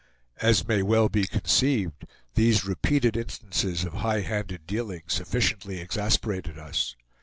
As may well be conceived, these repeated instances of high handed dealing sufficiently exasperated us.